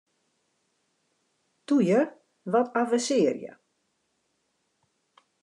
Toe ju, wat avensearje!